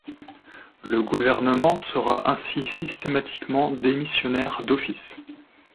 Le gouvernement sera ainsi systématiquement démissionnaire d’office.